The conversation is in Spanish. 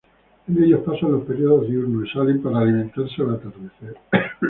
En ellos pasan los periodos diurnos y salen para alimentarse al atardecer.